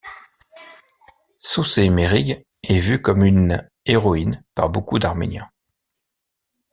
Sossé Mayrig est vue comme une héroïne par beaucoup d'Arméniens.